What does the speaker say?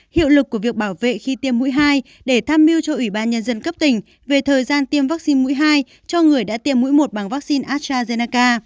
hiệu lực của việc bảo vệ khi tiêm mũi hai để tham mưu cho ủy ban nhân dân cấp tỉnh về thời gian tiêm vaccine mũi hai cho người đã tiêm mũi một bằng vaccine astrazenaca